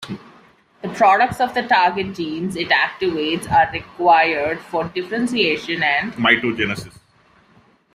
The products of target genes it activates are required for differentiation and mitogenesis.